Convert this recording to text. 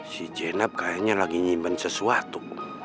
si jenab kayaknya lagi nyimpen sesuatu